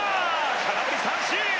空振り三振！